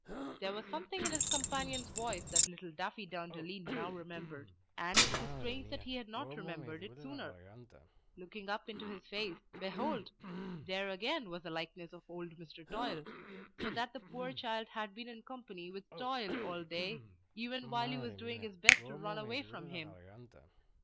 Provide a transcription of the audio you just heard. There was something in his companion's voice that little Daffydowndilly now remembered, and it is strange that he had not remembered it sooner. Looking up into his face, behold! there again was the likeness of old Mr. Toil; so that the poor child had been in company with Toil all day, even while he was doing his best to run away from him.